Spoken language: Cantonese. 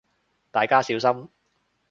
大家小心